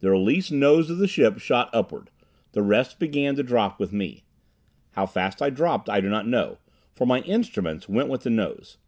The released nose of the ship shot upward. The rest began to drop with me. How fast I dropped I do not know, for my instruments went with the nose.